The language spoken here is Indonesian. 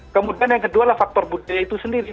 kemudian yang kedua adalah faktor budaya itu sendiri